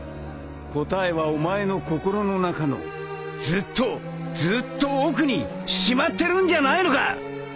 答えはお前の心の中のずっとずっと奥にしまってるんじゃないのか！？